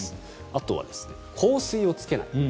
あとは香水をつけない。